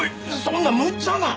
そんなむちゃな！